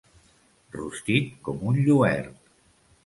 Rostit com un lluert.